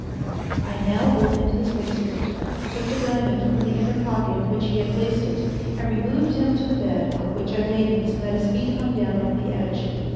I now opened his waistcoat, took the diamond from the inner pocket in which he had placed it, and removed him to the bed, on which I laid him so that his feet hung down over the edge.